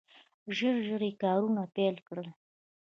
ژر ژر یې کارونه پیل کړل.